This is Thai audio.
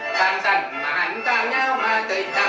ต้านต้านหันต้านเงียบมาตื่นต้าน